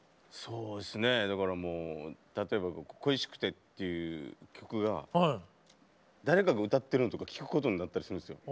そうですねだからもう例えば「恋しくて」っていう曲は誰かが歌ってるのとかを聴くことになったりするんですよ。